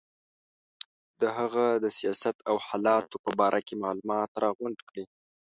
د هغه د سیاست او حالاتو په باره کې معلومات راغونډ کړي.